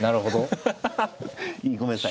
ごめんなさい。